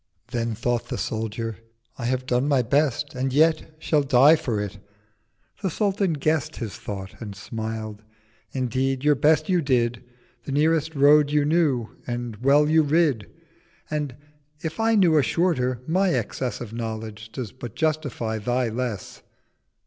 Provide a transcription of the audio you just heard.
—660 Then thought the Soldier—'I have done my Best, And yet shall die for it.' The Sultan guess'd His Thought and smiled. 'Indeed your Best you did, The nearest Road you knew, and well you rid: And if I knew a shorter, my Excess Of Knowledge does but justify thy Less.'